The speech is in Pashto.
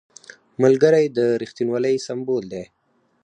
ملګری د رښتینولۍ سمبول دی